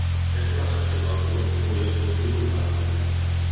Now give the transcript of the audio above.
És una secció del club poliesportiu local.